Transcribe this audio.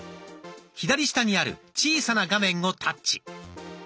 左下にある小さな画面をタッチ。